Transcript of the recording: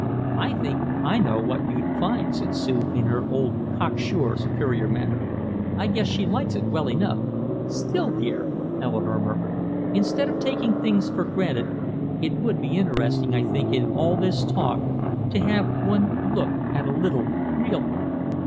"I think I know what you'd find," said Sue, in her old cocksure, superior manner. "I guess she likes it well enough " "Still, dear," Eleanore murmured, "instead of taking things for granted it would be interesting, I think, in all this talk to have one look at a little real life."